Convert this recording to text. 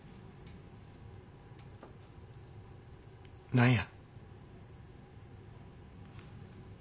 何や？